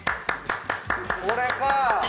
これか！